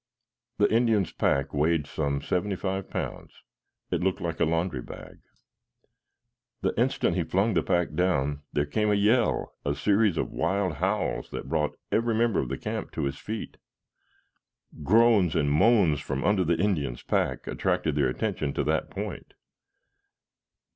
The Indian's pack weighed some seventy five pounds. It looked like a laundry bag. The instant he flung the pack down there came a yell, a series of wild howls that brought every member of the camp to his feet. Groans and moans from under the Indian's pack attracted their attention to that point.